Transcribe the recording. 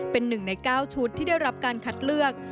เป็น๑ใน๙ชุดที่ได้รับการคัดเลือก